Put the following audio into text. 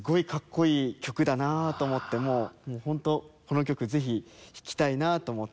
もう本当この曲ぜひ弾きたいなと思って。